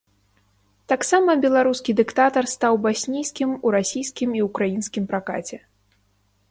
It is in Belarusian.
Таксама беларускі дыктатар стаў баснійскім у расійскім і ўкраінскім пракаце.